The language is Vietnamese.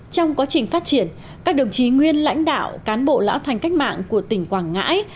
trong quá trình phát triển các đồng chí nguyên lãnh đạo cán bộ lão thành cách mạng của tỉnh quảng ngãi